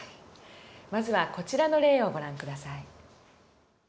まずはこちらの例をご覧下さい。